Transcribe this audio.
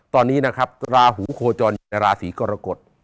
ตอนนี้นะครับราหูโฆจอร์อยู่ในราศีกรกฎ